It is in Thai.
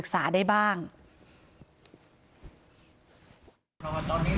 พี่สาวบอกว่าไม่ได้ไปกดยกเลิกรับสิทธิ์นี้ทำไม